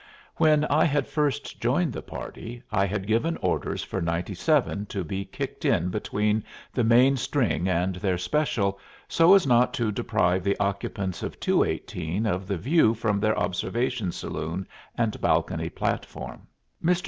When I had first joined the party, I had given orders for 97 to be kicked in between the main string and their special, so as not to deprive the occupants of 218 of the view from their observation saloon and balcony platform. Mr.